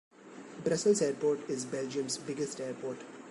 Brussels Airport is Belgium's biggest airport.